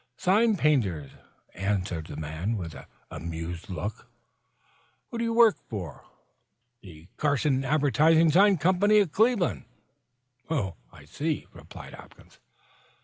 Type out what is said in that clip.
"Sign painters," answered the man, with an amused look. "Who do you work for?" "The Carson Advertising Sign Company of Cleveland." "Oh, I see," replied Hopkins.